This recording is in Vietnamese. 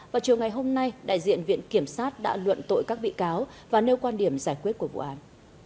vào chiều ngày hôm nay đại diện viện kiểm sát đã luận tội các bị cáo và nêu quan điểm giải quyết của vụ án